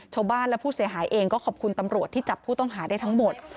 ชาวบ้านและผู้เสียหายเองก็ขอบคุณตำรวจที่จับผู้ต้องหาได้ทั้งหมด